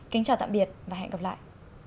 kính chào tạm biệt và hẹn gặp lại